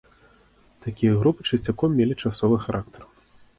Такія групы часцяком мелі часовы характар.